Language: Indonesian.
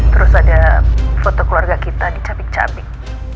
terus ada foto keluarga kita dicabik cabik